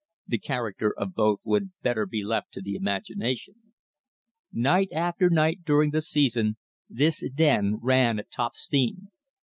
The character of both would better be left to the imagination. Night after night during the season, this den ran at top steam.